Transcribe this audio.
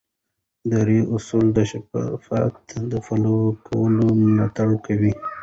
اداري اصول د شفافیت د پلي کولو ملاتړ کوي.